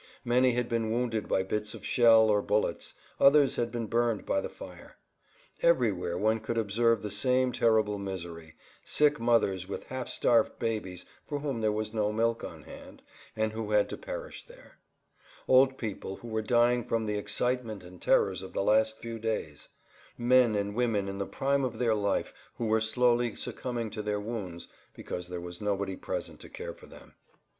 Many had been wounded by bits of shell or bullets; others had been burned by the fire. Everywhere one could observe the same terrible misery—sick mothers with half starved babies for whom there was no milk on hand and who had to perish there; old people who were dying from the excitement and terrors of the last few days; men and women in the prime of their life who were slowly succumbing to their wounds because there was nobody present to care for them.